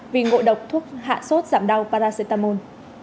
vì ngộ độc thuốc hạ sốt giảm đau paracetamol